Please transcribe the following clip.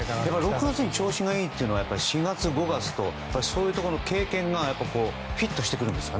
６月に調子がいいというのは４月、５月とそういうところの経験がフィットしてくるんですか？